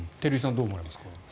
どう思われますか。